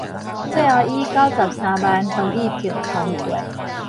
最後以九十三萬同意票通過